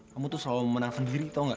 kamu tuh selalu menang sendiri tau gak